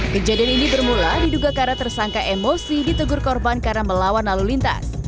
kejadian ini bermula diduga karena tersangka emosi ditegur korban karena melawan lalu lintas